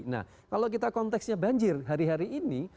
nah kalau kita konteksnya banjir hari hari ini